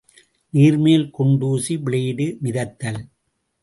நீர் மேல் குண்டுசி, பிளேடு மிதத்தல்.